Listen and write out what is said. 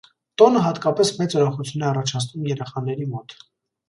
Տոնը հատկապես մեծ ուրախություն է առաջացնում երեխաների մոտ։